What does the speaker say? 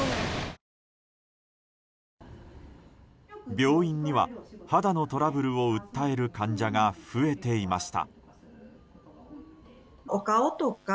病院には、肌のトラブルを訴える患者が増えていました。